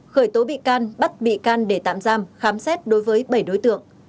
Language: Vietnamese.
khởi tố bị can bắt bị can để tạm giam khám xét đối với bảy đối tượng